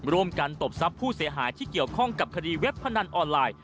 ตบทรัพย์ผู้เสียหายที่เกี่ยวข้องกับคดีเว็บพนันออนไลน์